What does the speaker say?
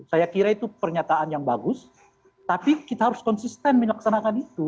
saya kira itu pernyataan yang bagus tapi kita harus konsisten melaksanakan itu